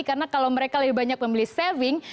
karena kalau mereka lebih banyak membeli saving